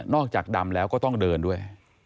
จากดำแล้วก็ต้องเดินด้วย